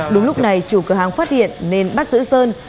đúng lúc này chủ cửa hàng phát hiện nên bắt giữ sơn